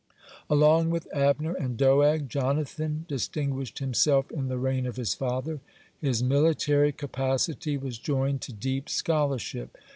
(107) Along with Abner and Doeg, Jonathan distinguished himself in the reign of his father. His military capacity was joined to deep scholarship.